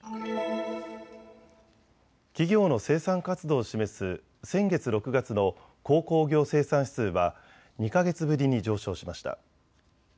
企業の生産活動を示す先月６月の鉱工業生産指数は２か月ぶりに上昇しました。